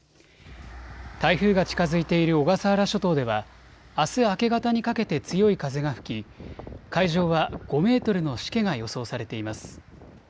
台風が近づいている小笠原諸島ではあす明け方にかけて強い風が吹き、海上は５メートルのしけが予想されています。